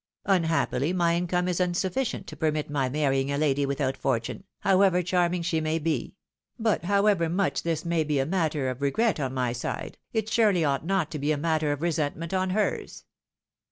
Unhappily my income is insufficient to permit my marry ing a lady without fortune, however charming she may be ; but however much this may be a matter of regret on my side, it surely ought not to be a matter of resentment on hers."